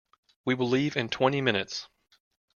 We will leave in twenty minutes.